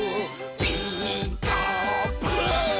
「ピーカーブ！」